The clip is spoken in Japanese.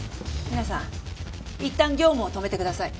皆さんいったん業務を止めてください。